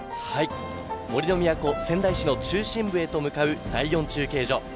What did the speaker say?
杜の都・仙台市の中心部へと向かう第４中継所。